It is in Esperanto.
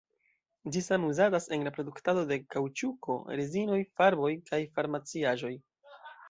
Ĝi same uzatas en la produktado de kaŭĉuko, rezinoj, farboj kaj farmaciaĵoj.